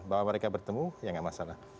bahwa mereka bertemu ya nggak masalah